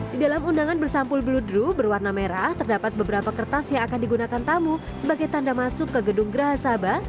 di dalam undangan bersampul bluedru berwarna merah terdapat beberapa kertas yang akan digunakan tamu sebagai tanda masuk ke gedung geraha sabah